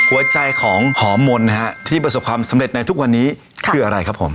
หัวใจของหอมมนต์นะฮะที่ประสบความสำเร็จในทุกวันนี้คืออะไรครับผม